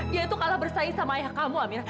dia itu kalah bersaing sama ayah kamu amir